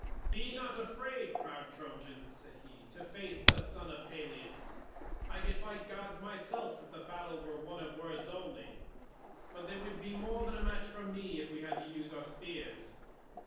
"Be not afraid, proud Trojans," said he, "to face the son of Peleus; I could fight gods myself if the battle were one of words only, but they would be more than a match for me, if we had to use our spears.